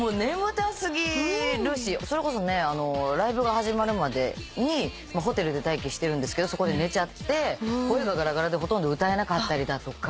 それこそねライブが始まるまでにホテルで待機してるんですけどそこで寝ちゃって声がガラガラでほとんど歌えなかったりだとか。